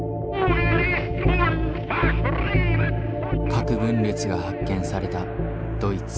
核分裂が発見されたドイツ。